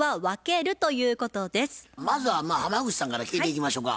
まずは浜口さんから聞いていきましょか。